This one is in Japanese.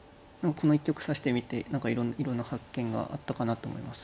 この一局指してみていろんな発見があったかなと思います。